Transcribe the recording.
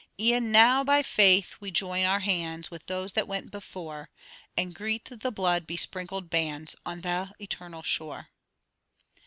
'E'en now, by faith, we join our hands With those that went before; And greet the blood besprinkled bands On the eternal shore.'"